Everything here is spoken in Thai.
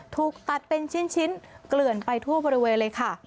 ถูกตัดเป็นชิ้นเกลื่อนไปทั่วบริเวณเลยค่ะ